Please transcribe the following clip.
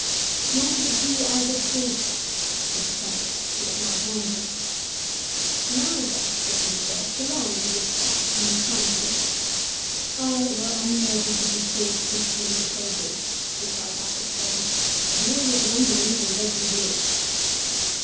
"Nor to the Jew Isaac's daughter," said the Templar, who had now joined them. "Neither," said Front de Bœuf, "belong to this Saxon's company." "I were unworthy to be called Christian, if they did," replied Athelstane: "deal with the unbelievers as ye list."